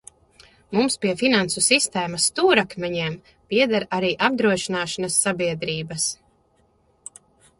Mums pie finansu sistēmas stūrakmeņiem pieder arī apdrošināšanas sabiedrības.